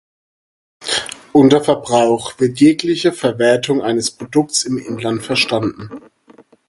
Unter Verbrauch wird jegliche Verwertung eines Produktes im Inland verstanden.